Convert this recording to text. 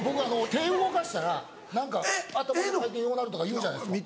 手動かしたら何か頭の回転ようなるとかいうじゃないですか。